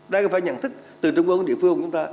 đây là phải nhận thức từ trung ương đến địa phương của chúng ta